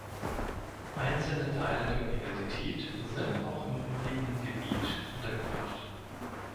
Einzelne Teile der Universität sind auch im umliegenden Gebiet untergebracht.